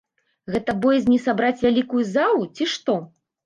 Гэта боязь не сабраць вялікую залу, ці што?